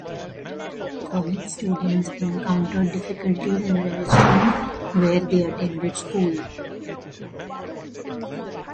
College students encountered difficulties in registering where they attended school.